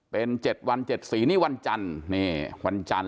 เป็น๗วัน๗สีนี่วันจันทร์นี่วันจันทร์